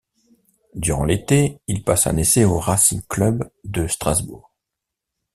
Durant l'été, il passe un essai au Racing Club de Strasbourg.